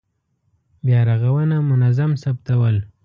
بیا رغونه منظم ثبتول.